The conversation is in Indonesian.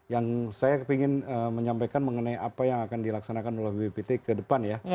yang saya ingin menyampaikan mengenai apa yang akan dilaksanakan oleh bppt ke depan ya